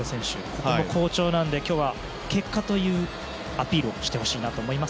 ここも好調なので今日は結果というアピールをしてほしいなと思います。